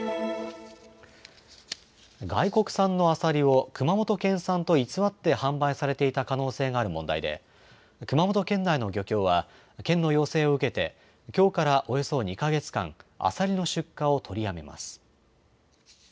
外国産のアサリを熊本県産と偽って販売されていた可能性がある問題で、熊本県内の漁協は、県の要請を受けて、きょうからおよそ２か月間、アサリの出荷を取りやめます。